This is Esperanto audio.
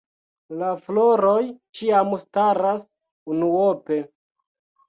La floroj ĉiam staras unuope.